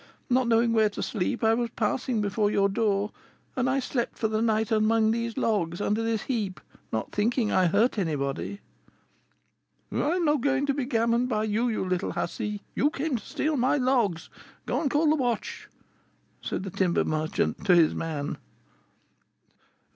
Not knowing where to sleep, I was passing before your door, and I slept for the night amongst these logs, under this heap, not thinking I hurt anybody.' "'I'm not to be gammoned by you, you little hussy! You came to steal my logs. Go and call the watch,' said the timber merchant to his man."